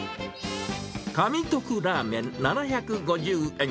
香味徳ラーメン７５０円。